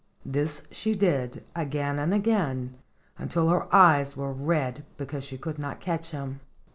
This she did again and again, until her eyes were red because she could not catch him.